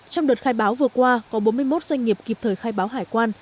trong đợt khai báo vừa qua có bốn mươi một doanh nghiệp kịp thời khai báo hải quan